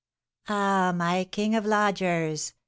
"Ah, my king of lodgers!